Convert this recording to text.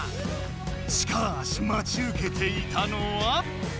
しかしまちうけていたのは。